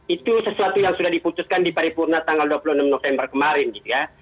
itu sesuatu yang sudah diputuskan di paripurna tanggal dua puluh enam november kemarin gitu ya